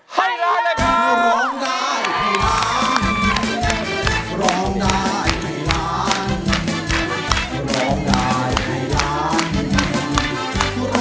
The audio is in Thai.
ให้ร้ายละครับ